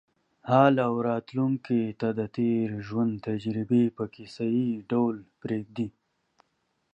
حال او راتلونکې ته د تېر ژوند تجربې په کیسه یې ډول پرېږدي.